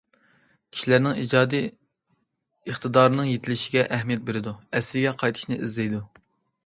كىشىلەرنىڭ ئىجادىي ئىقتىدارىنىڭ يېتىلىشىگە ئەھمىيەت بېرىدۇ، ئەسلىگە قايتىشنى ئىزدەيدۇ.